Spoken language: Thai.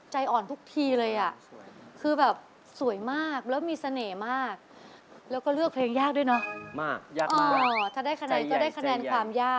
ใจใหญ่ใจใหญ่